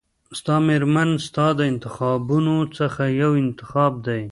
ستا مېرمن ستا د انتخابونو څخه یو انتخاب دی.